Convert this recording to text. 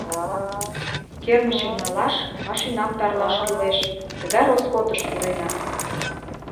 Кермычым налаш, машинам тарлаш кӱлеш, тыгай роскотыш пурена.